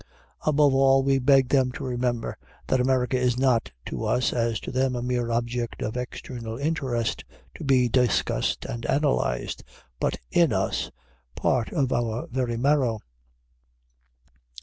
Above all, we beg them to remember that America is not to us, as to them, a mere object of external interest to be discussed and analyzed, but in us, part of our very marrow.